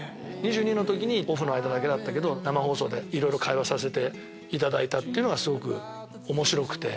２２の時にオフの間だけだけど生放送でいろいろ会話させていただいたっていうのがすごく面白くて。